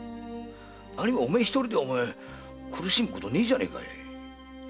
何もお前一人で苦しむことねえじゃねえか。